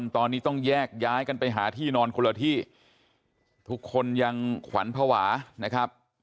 ตอนนี้ต้องแยกย้ายกันไปหาที่นอนคนละที่ทุกคนยังขวัญภาวะนะครับ